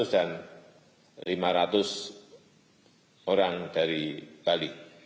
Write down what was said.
dan lima ratus orang dari bali